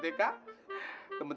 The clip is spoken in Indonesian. tentunya makan malamnya ya